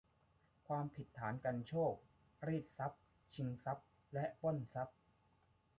ความผิดฐานกรรโชก รีดเอาทรัพย์ ชิงทรัพย์ และปล้นทรัพย์